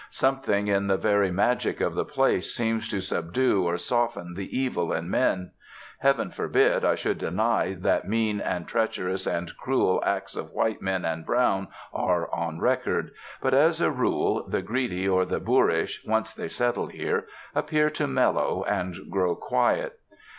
Something in the very magic of the place seems to subdue or soften the evil in men. Heaven forbid I should deny that mean and treacherous and cruel acts of white men and brown are on record. But as a rule the greedy or the boorish, once they settle there, appear to mellow and grow quiet.